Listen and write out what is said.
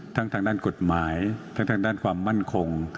ทางด้านกฎหมายทั้งทางด้านความมั่นคง